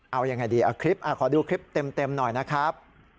เอายังไงดีเอาคลิปขอดูคลิปเต็มหน่อยนะครับ